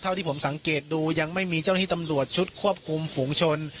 ที่ผมสังเกตดูยังไม่มีเจ้าหน้าที่ตำรวจชุดควบคุมฝูงชน